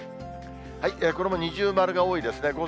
これも二重丸が多いですね。